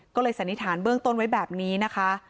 ก็เลยสันนิษฐานเบื้องต้นไว้แบบนี้นะคะ